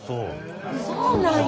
そうなんや。